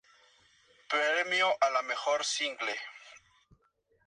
Premio a la Mejor Single.